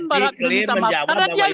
kenapa tidak maafkan para yang minta maaf